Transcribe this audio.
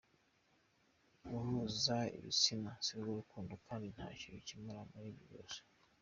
Guhuza ibitsina sirwo rukundo kandi ntacyo bikemura muri ibyo byose”.